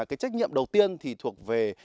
cái trách nhiệm đầu tiên thì thuộc về